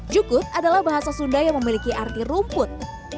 jukut adalah bahasa sunda yang memiliki arti rumput